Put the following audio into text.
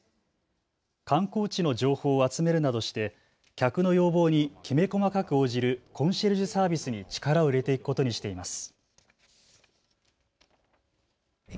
観光地の情報を集めるなどして客の要望にきめ細かく応じるコンシェルジュサービスに力を入れていくことにしています。